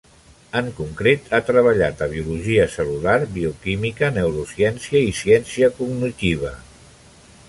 En concret, ha treballat a biologia cel·lular, bioquímica, neurociència i ciència cognitiva.